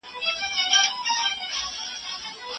یوازې خپلې دندې ته محدود مه اوسئ.